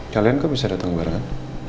kalian kok bisa datang barat